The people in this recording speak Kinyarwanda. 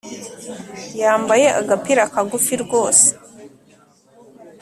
Yambaye agapira kagufi rwose